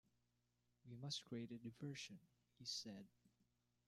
"We must create a diversion," he said.